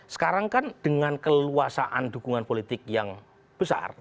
sekarang kan dengan keluasaan dukungan politik yang besar